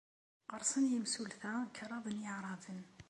Qersen yimsulta kraḍ n yiɛbaṛen.